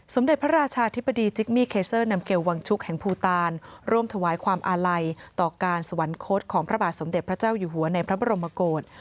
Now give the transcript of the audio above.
สมเด็จพระราชาธิบดีจิกมี่เคเซอร์นำเกลวังชุกแห่งภูตานร่วมถวายความอาลัยต่อการสวรรคตของพระบาทสมเด็จพระเจ้าอยู่หัวในพระบรมกฏ